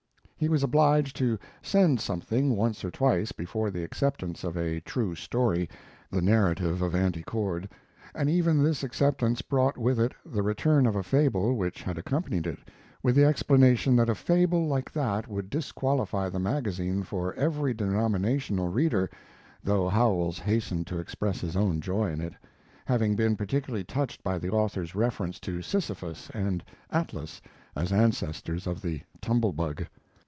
He was obliged to "send something" once or twice before the acceptance of "A True Story," the narrative of Auntie Cord, and even this acceptance brought with it the return of a fable which had accompanied it, with the explanation that a fable like that would disqualify the magazine for every denominational reader, though Howells hastened to express his own joy in it, having been particularly touched by the author's reference to Sisyphus and Atlas as ancestors of the tumble bug.